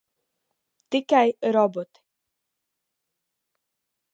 Tikai roboti.